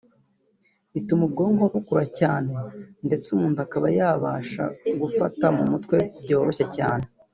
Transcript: Ituma ubwonko bukura cyane ndetse umuntu akaba yabasha gufata mu mutwe byoroshye cyane